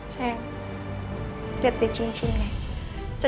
sayang lihat deh cincinnya